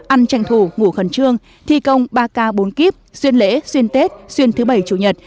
ăn tranh thủ ngủ khẩn trương thi công ba k bốn kip xuyên lễ xuyên tết xuyên thứ bảy chủ nhật